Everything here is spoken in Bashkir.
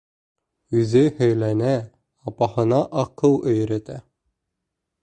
Үҙе һөйләнә, апаһына аҡыл өйрәтә.